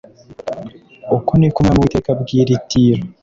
Uku ni ko umwami uwiteka abwira i tiro